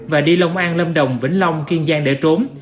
và đi lông an lâm đồng vĩnh long kiên giang để trốn